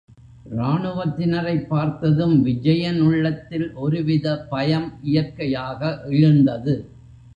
ராணுவத்தினரைப் பார்த்ததும் விஜயன் உள்ளத்தில் ஒருவித பயம் இயற்கையாக எழுந்தது.